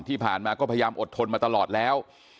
ที่ผ่านมาก็พยายามอดทนมาตลอดแล้ว